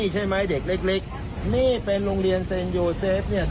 ให้เปิดได้ยังไง